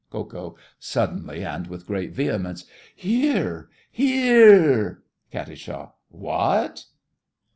KO. (suddenly, and with great vehemence). Here!—Here! KAT. What!!!